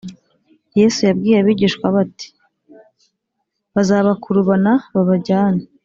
Yesu yabwiye abigishwa be ati bazabakurubana babajyane